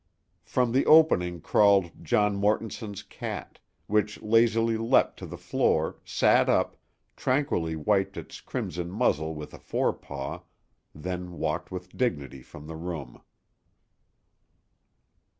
From the opening crawled John Mortonson's cat, which lazily leapt to the floor, sat up, tranquilly wiped its crimson muzzle with a forepaw, then walked with dignity from the room.